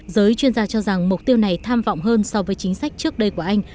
giới chuyên gia cho rằng mục tiêu này tham vọng hơn so với chính sách trước đây của anh